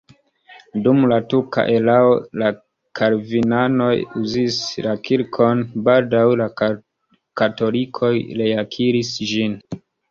Dum la turka erao la kalvinanoj uzis la kirkon, baldaŭ la katolikoj reakiris ĝin.